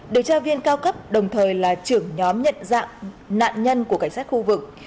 điều tra viên cao cấp đồng thời là trưởng nhóm nhận dạng nạn nhân của cảnh sát khu vực